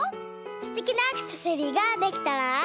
すてきなアクセサリーができたら。